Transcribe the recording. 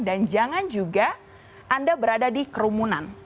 dan jangan juga anda berada di kerumunan